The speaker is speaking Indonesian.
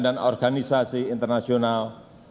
dan organisasi internasional